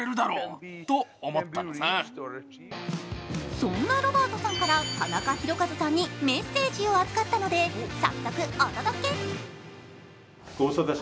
そんなロバートさんからタナカヒロカズさんにメッセージを預かったので早速お届け。